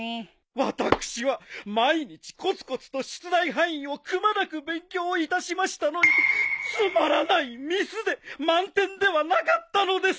私は毎日コツコツと出題範囲をくまなく勉強いたしましたのにつまらないミスで満点ではなかったのです！